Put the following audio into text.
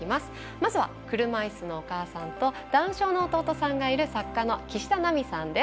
まずは車いすのお母さんとダウン症の弟さんがいる作家の岸田奈美さんです。